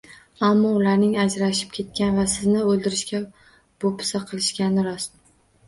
Ammo ularning ajrashib ketgani va sizni o`ldirishga po`pisa qilishgani rost